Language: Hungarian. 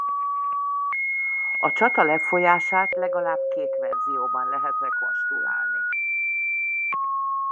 A csata lefolyását legalább két verzióban lehet rekonstruálni.